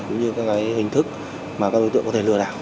cũng như các hình thức mà các đối tượng có thể lừa đảo